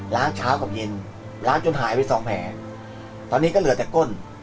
เช้ากับเย็นล้างจนหายไปสองแผลตอนนี้ก็เหลือแต่ก้น